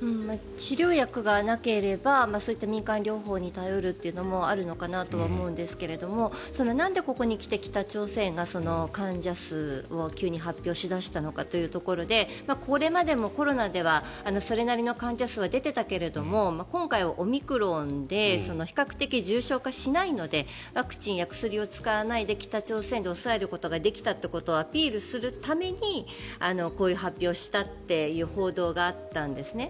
治療薬がなければそういった民間療法に頼るというのもあるのかなとは思いますがなんでここに来て北朝鮮が患者数を急に発表し出したのかというところでこれまでもコロナではそれなりの患者数は出ていたけど今回、オミクロンで比較的、重症化しないのでワクチンや薬を使わないで北朝鮮で抑えることができたということをアピールするためにこういう発表をしたという報道があったんですね。